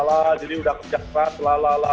jadi sudah kerja keras lalala